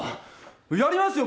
やりますよ